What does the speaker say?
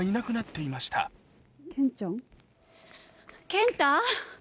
健太？